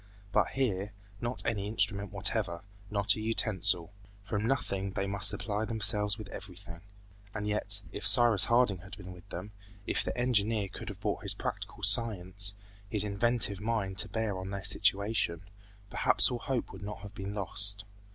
But here, not any instrument whatever, not a utensil. From nothing they must supply themselves with everything. And yet, if Cyrus Harding had been with them, if the engineer could have brought his practical science, his inventive mind to bear on their situation, perhaps all hope would not have been lost.